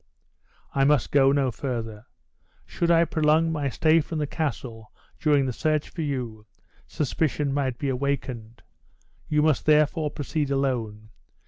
"I must not go further. Should I prolong my stay from the castle during the search for you, suspicion may be awakened. You must therefore proceed alone.